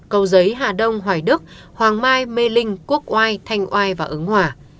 cầu giấy hà đông hoài đức hoàng mai mê linh quốc oai thanh oai và ứng hòa